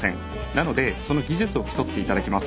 なのでその技術を競って頂きます。